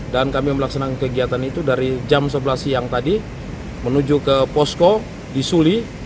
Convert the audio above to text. dan kami melaksanakan kegiatan itu dari jam sebelas siang tadi menuju ke posko di suli